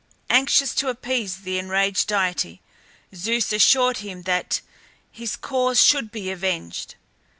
Anxious to appease the enraged deity Zeus assured him that his cause should be avenged.